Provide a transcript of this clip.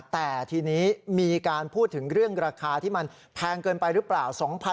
แต่ทีนี้มีการพูดถึงเรื่องราคาที่มันแพงเกินไปหรือเปล่า